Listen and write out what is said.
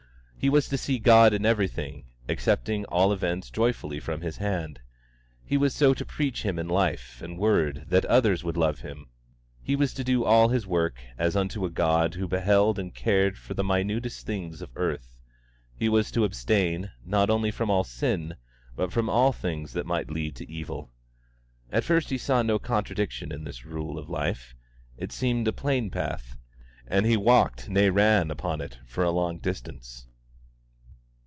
He was to see God in everything, accepting all events joyfully from His hand; he was so to preach Him in life and word that others would love Him; he was to do all his work as unto a God who beheld and cared for the minutest things of earth; he was to abstain, not only from all sin, but from all things that might lead to evil. At first he saw no contradiction in this rule of life; it seemed a plain path, and he walked, nay ran, upon it for a long distance.